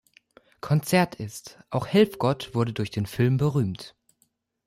Konzert ist, auch Helfgott wurde durch den Film berühmt.